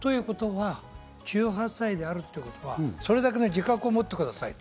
１８歳であるということは、それだけの自覚を持ってくださいと。